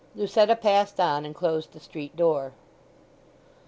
Lucetta passed on and closed the street door.